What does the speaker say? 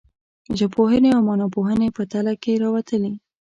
ژبپوهنې او معناپوهنې په تله کې راوتلي.